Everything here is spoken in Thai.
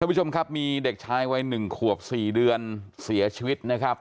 ผู้ชมครับมีเด็กชายวัย๑ขวบ๔เดือนเสียชีวิตนะครับ